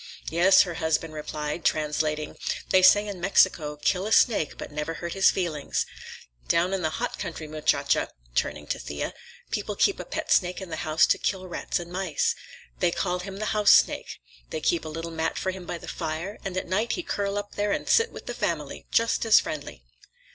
"Yes," her husband replied, translating, "they say in Mexico, kill a snake but never hurt his feelings. Down in the hot country, muchacha," turning to Thea, "people keep a pet snake in the house to kill rats and mice. They call him the house snake. They keep a little mat for him by the fire, and at night he curl up there and sit with the family, just as friendly!"